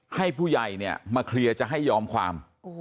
ให้ผู้ใหญ่เนี่ยมาเคลียร์จะให้ยอมความ